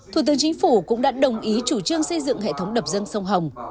thủ tướng chính phủ cũng đã đồng ý chủ trương xây dựng hệ thống đập dâng sông hồng